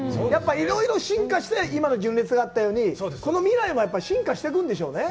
いろいろ進化して今の純烈があったように、未来は進化していくんでしょうね。